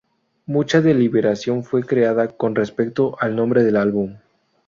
Mucha deliberación fue creada con respecto al nombre del álbum.